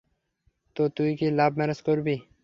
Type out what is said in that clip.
তো তুই কি লাভ ম্যারেজ করবি?